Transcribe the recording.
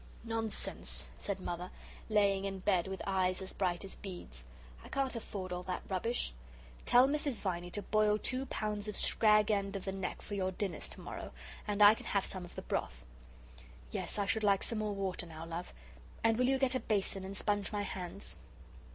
"Nonsense," said Mother, laying in bed with eyes as bright as beads. "I can't afford all that rubbish. Tell Mrs. Viney to boil two pounds of scrag end of the neck for your dinners to morrow, and I can have some of the broth. Yes, I should like some more water now, love. And will you get a basin and sponge my hands?"